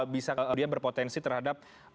bisa kemudian berpotensi terhadap